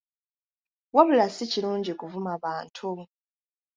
Wabula si kirungi kuvuma bantu.